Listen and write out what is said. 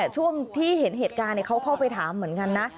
ช่วงที่เห็นเหตุการณ์เขาเข้าไปถามเหมือนกันนะ